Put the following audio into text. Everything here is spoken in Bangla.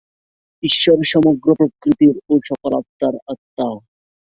ঈশ্বর সমগ্র প্রকৃতির ও সকল আত্মার আত্মা।